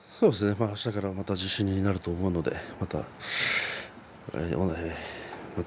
あしたから自信になると思うのでまた